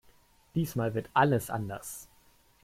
Diesmal wird alles anders!